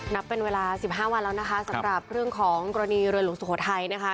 นับเป็นเวลาสิบห้าวันแล้วนะคะสำหรับเรื่องของกรณีเรือหลวงสุโขทัยนะคะ